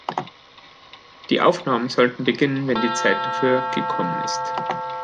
Die Aufnahmen sollten beginnen, „wenn die Zeit dafür gekommen ist“.